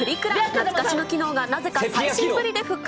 懐かしの機能がなぜか最新で復活。